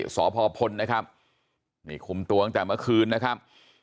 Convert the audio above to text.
สพนะครับมีคุมตัวกันจากเมื่อคืนนะครับ